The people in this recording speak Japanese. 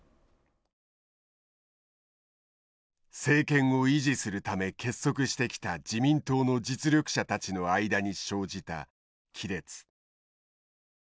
政権を維持するため結束してきた自民党の実力者たちの間に生じた亀裂。